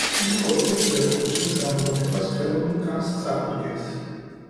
ის კოლეგებს რევოლუციურ გამოგონებას, ხელოვნურ კანს წარუდგენს.